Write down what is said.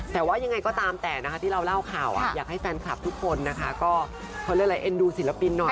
แต่ว่ายังไงก็ตามแต่ที่เราเล่าข่าวอยากให้แฟนคลับทุกคนเอ็นดูศิลปินหน่อย